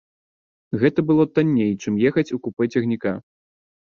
Гэта было танней, чым ехаць у купэ цягніка.